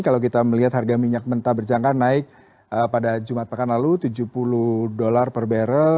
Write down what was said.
kalau kita melihat harga minyak mentah berjangka naik pada jumat pekan lalu tujuh puluh dolar per barrel